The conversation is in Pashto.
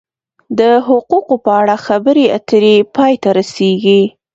د حقوقو په اړه خبرې اترې پای ته رسیږي.